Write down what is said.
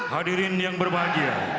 hadirin yang berbahagia